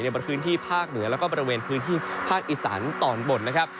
ในบริหภีมิตรภาคเหนือแล้วก็บาระเวณพื้นธีย์ภาคอิษฐ์ตอนบนนะครับ